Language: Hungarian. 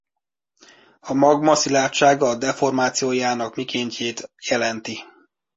A magma szilárdsága a deformációjának mikéntjét jelenti.